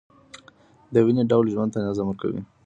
دویني ډول ژوند ته نظم ورکوي.